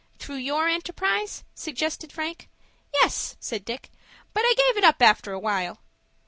"Through your enterprise?" suggested Frank. "Yes," said Dick; "but I give it up after a while."